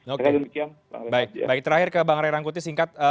oke baik baik terakhir ke bang ray rangkuti singkat